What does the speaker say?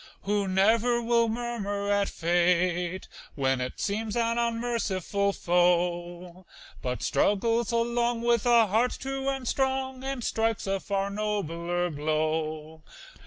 Who never will murmur at fate, when It seems an unmerciful foe, But struggles along with a heart true and strong, And strikes a far nobler blow.